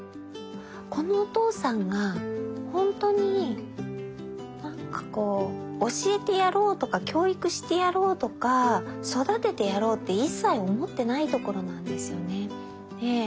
このお父さんがほんとになんかこう教えてやろうとか教育してやろうとか育ててやろうって一切思ってないところなんですよね。